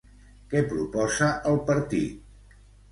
Què proposa el partit?